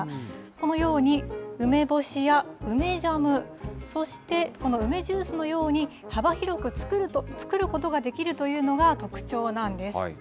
このように、梅干しや梅ジャム、そしてこの梅ジュースのように、幅広く作ることができるというのが特徴なんです。